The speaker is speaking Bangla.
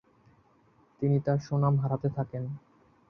তিনি তার সুনাম হারাতে থাকেন।